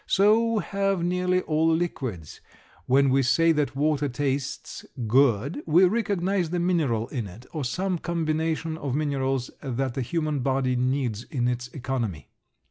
So have nearly all liquids. When we say that water tastes good we recognize the mineral in it, or some combination of minerals that the human body needs in its economy.